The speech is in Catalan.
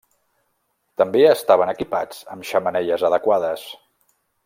També estaven equipats amb xemeneies adequades.